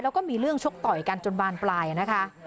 แล้วก็มีเรื่องชกต่อยกันจนบานปลายนะคะ